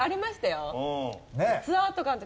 ツアーとかの時。